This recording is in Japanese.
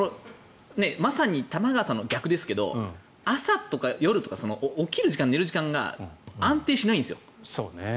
僕、玉川さんのまさに逆ですけど朝とか夜とか起きる時間寝る時間が安定しないんです。